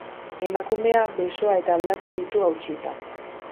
Emakumea besoa eta aldaka ditu hautsita.